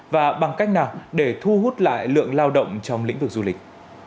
và bằng cách nào để thu hút lại lượng lao động trong lĩnh vực du lịch